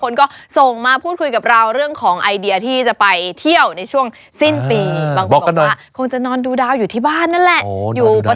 คนก็ส่งมาพูดคุยกับเราเรื่องของไอเดียที่จะไปเที่ยวในช่วงสิ้นปีบอกกันหน่อยบางคนบอกว่าคงจะนอนดูดาวอยู่ที่บ้านนั่นแหละอ๋อนอนดูดาวอยู่ที่บ้าน